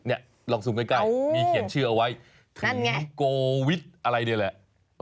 ลองซูมใกล้มีเขียนชื่อเอาไว้นั่นไงโกวิทอะไรเนี่ยแหละ